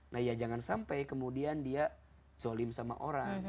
nah ya jangan sampai kemudian dia zolim sama orang